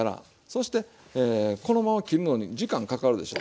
そしてこのまま切るのに時間かかるでしょ。